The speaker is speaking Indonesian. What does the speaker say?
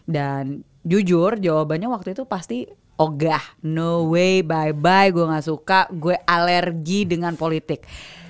dan jujur jawabannya waktu itu pasti oh gah no way bye bye gue gak suka gue alergi dengan politik